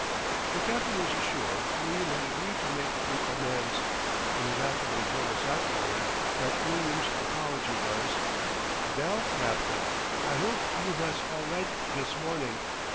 The Captain was assured William had agreed to make due amends, but he laughingly told us afterward that William's apology was: "Vell, Captain, I hope you vas all right dis morning.